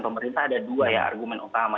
pemerintah ada dua ya argumen utama